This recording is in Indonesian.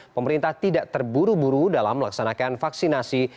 pemerintah tidak terburu buru dalam melaksanakan vaksinasi